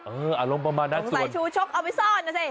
อารมณ์ประมาณนั้นใส่ชูชกเอาไปซ่อนนะสิ